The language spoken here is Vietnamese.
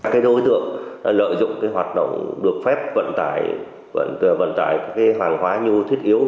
các đối tượng lợi dụng hoạt động được phép vận tải hoàng hóa như thiết yếu